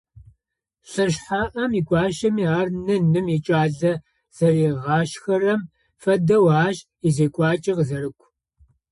Лӏышъхьаӏэм игуащэми - ар ны, ным икӏалэ зэригъашхэрэм фэдэу ащ изекӏуакӏэ къызэрыкӏу.